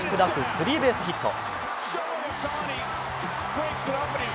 スリーベースヒット。